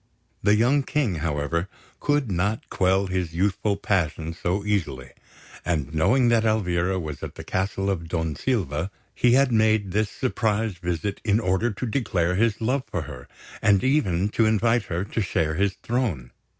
The young King, however, could not quell his youthful passion so easily; and, knowing that Elvira was at the castle of Don Silva, he had made this surprise visit in order to declare his love for her, and even to invite her to share his throne.